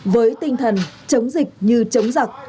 với tinh thần chống dịch như chống giặc